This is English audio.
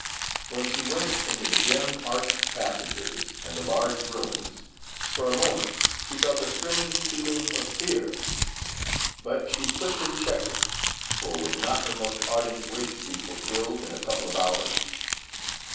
When she went into the dim, arched passages, and the large rooms, for a moment she felt a strange feeling of fear, but she quickly checked it, for was not her most ardent wish to be fulfilled in a couple of hours?